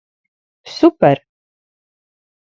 Super!